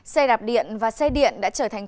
xe đạp điện và xe điện đã trở thành